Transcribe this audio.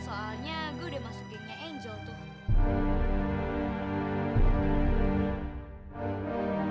soalnya gue udah masuk gengnya angel tuh